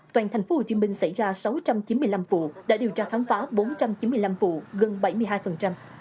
toàn tp hcm xảy ra sáu trăm chín mươi năm vụ đã điều tra khám phá bốn trăm chín mươi năm vụ gần bảy mươi hai